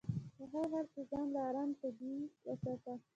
په هر حال کې ځان له ارام طلبي وساتي.